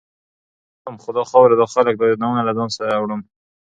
زه ځم، خو دا خاوره، دا خلک، دا یادونه له ځان سره وړم.